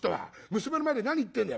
娘の前で何言ってんだよ」。